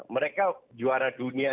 mereka juara dunia